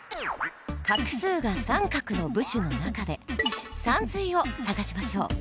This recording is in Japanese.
画数が三画の部首の中で「さんずい」を探しましょう。